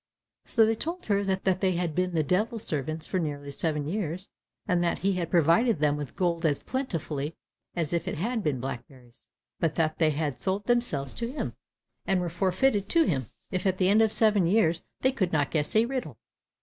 So they told her that they had been the Devil's servants for nearly seven years, and that he had provided them with gold as plentifully as if it had been blackberries, but that they had sold themselves to him, and were forfeited to him, if at the end of the seven years they could not guess a riddle.